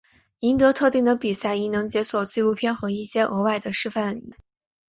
赢得特定的比赛亦能解锁纪录片和一些额外的示范影片。